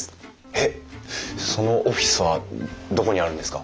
えっそのオフィスはどこにあるんですか？